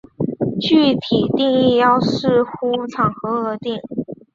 具体定义要视乎场合而定。